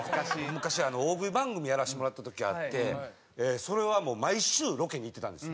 昔大食い番組やらせてもらった時あってそれはもう毎週ロケに行ってたんですよ。